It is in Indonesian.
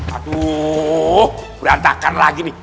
aduh berantakan lagi nih